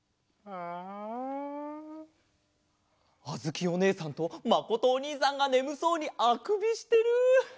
あづきおねえさんとまことおにいさんがねむそうにあくびしてる。